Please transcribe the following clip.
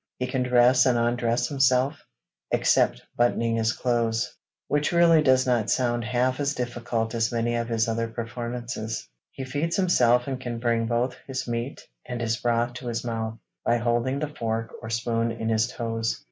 He can dress and undress himself, except buttoning his clothes,' which really does not sound half as difficult as many of his other performances. 'He feeds himself and can bring both his meat and his broth to his mouth, by holding the fork or spoon in his toes.